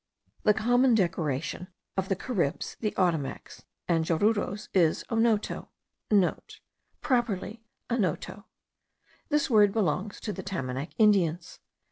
The common decoration of the Caribs, the Ottomacs, and the Jaruros, is onoto,* (* Properly anoto. This word belongs to the Tamanac Indians.